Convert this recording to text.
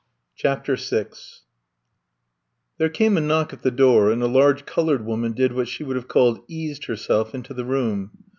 CHAPTER VI THEBE came a knock at the door^ and a large colored woman did what she would have called eased herself* into the room.